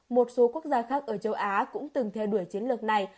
một số quốc gia khác ở châu á cũng từng theo đuổi chiến lược này